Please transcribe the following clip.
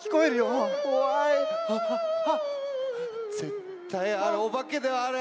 ぜったいあれおばけだよあれ。